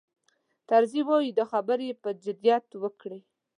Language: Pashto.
طرزي وایي دا خبرې یې په جدیت وکړې.